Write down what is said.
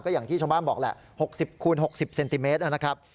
ก็อย่างที่ชมบ้านบอกล่ะ๖๐คูณ๖๐เซนติเมตร